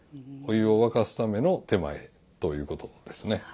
お湯を沸かすための点前ということですね。